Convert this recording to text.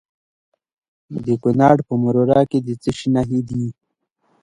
د کونړ په مروره کې د څه شي نښې دي؟